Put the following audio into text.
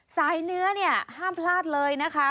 สายเนื้อเนี่ยห้ามพลาดเลยนะคะ